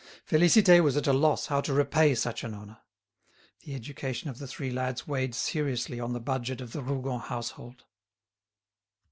Félicité was at a loss how to repay such an honour. The education of the three lads weighed seriously on the budget of the Rougon household.